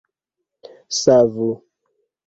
Savu!